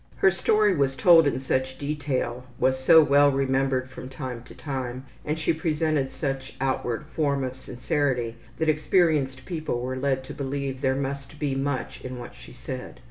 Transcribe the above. Her story was told in such detail, was so well remembered from time to time, and she presented such outward form of sincerity that experienced people were led to believe there must be much in what she said.